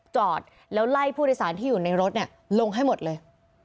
จอดแล้วไล่ผู้โดยสารที่อยู่ในรถลงให้หมดเลย